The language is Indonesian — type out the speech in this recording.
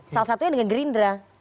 salah satunya dengan gerindra